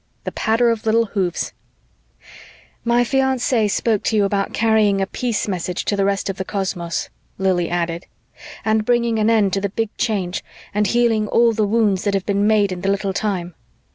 The patter of little hoofs ... "My fiance spoke to you about carrying a peace message to the rest of the cosmos," Lili added, "and bringing an end to the Big Change, and healing all the wounds that have been made in the Little Time."